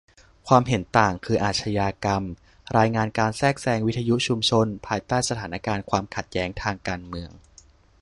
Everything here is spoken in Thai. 'ความเห็นต่าง' คือ อาชญากรรม : รายงานการแทรกแซงวิทยุชุมชนภายใต้สถานการณ์ความขัดแย้งทางการเมือง